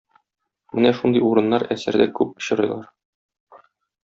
Менә шундый урыннар әсәрдә күп очрыйлар.